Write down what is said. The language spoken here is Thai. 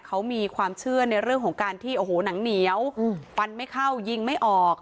เขามีความเชื่อในเรื่องของการที่โอ้โหหนังเหนียวฟันไม่เข้ายิงไม่ออก